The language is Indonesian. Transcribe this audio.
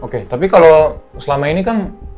oke tapi kalau selama ini kan